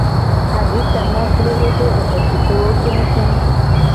Aditama gble ebe ajofitowo kengukengu.